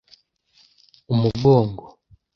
umugongo